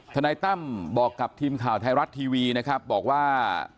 ธนัยตั้มบอกกับทีมข่าวไทยรัฐทีวีบอกว่า